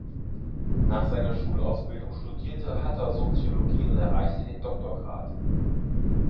Nach seiner Schulausbildung studierte Hutter Soziologie und erreichte den Doktorgrad.